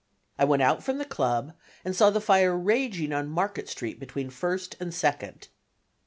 I went out from the club and saw the fire raging on Market Street between First and Second.